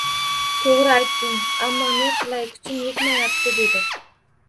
To'g'ri aytding, ammo ne qilay, kuchim yetmayapti,—dedi.